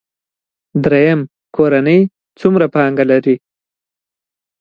دریم کورنۍ څومره پانګه لري.